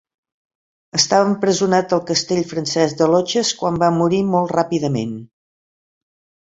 Estava empresonat al castell francès de Loches, quan va morir molt ràpidament.